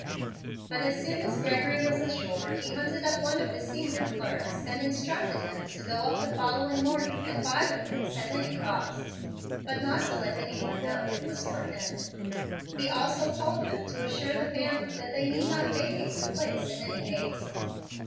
But as soon as Gregory was ashore he hunted up one of his senior clerks, and instructed him to go up the following morning and buy the place at any cost, but not to let any one know it was for him. He also told him to assure the family that they need not vacate the place in any haste.